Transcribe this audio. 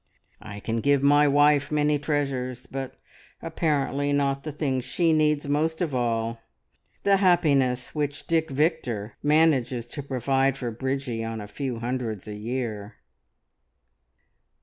"I can give my wife many treasures, but apparently not the thing she needs most of all the happiness which Dick Victor manages to provide for Bridgie on a few hundreds a year!"